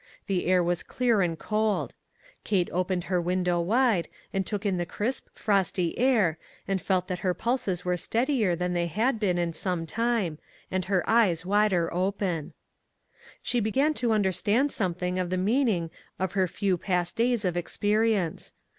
The air was clear and cold. Kate opened her window wide, and took in the crisp, frosty air, and felt that her pulses were steadier than they had been in Borne time, and her eyes wider open. STORM AND CALM. 367 She began to understand something of the meaning of her few past days of experience.